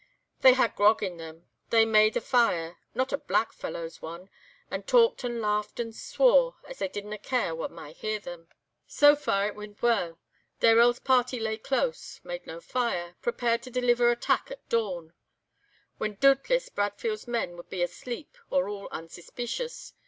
They had grog in them; they made a fire—not a black fellow's one—and talked and laughed and swore, as they didna care wha might hear them. "So far, a' went weel. Dayrell's party lay close—made no fire—prepared to deleever attack at dawn, when dootless Bradfield's men wad be asleep or all unsuspeecious.